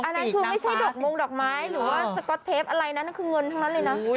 อันนั้นคือไม่ใช่ดอกมงดอกไม้หรือว่าสก๊อตเทปอะไรนะนั่นคือเงินทั้งนั้นเลยนะ